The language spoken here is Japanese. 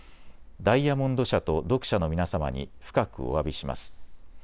ダイヤモンド社と読者の皆様に深くおわびします。